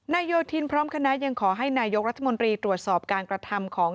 โยธินพร้อมคณะยังขอให้นายกรัฐมนตรีตรวจสอบการกระทำของ